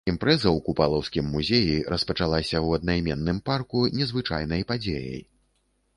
Імпрэза ў купалаўскім музеі распачалася ў аднайменным парку незвычайнай падзеяй.